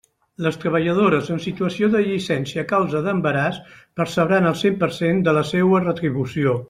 Les treballadores en situació de llicència a causa d'embaràs percebran el cent per cent de la seua retribució.